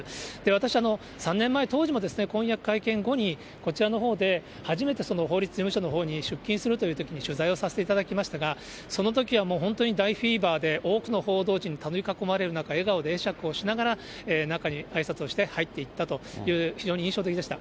私、３年前、当時も婚約会見後に、こちらのほうで初めて法律事務所のほうに出勤するというときに取材をさせていただきましたが、そのときは本当に大フィーバーで、多くの報道陣に取り囲まれる中、笑顔で会釈をしながら、中にあいさつをして入っていったという、非常に印象的でした。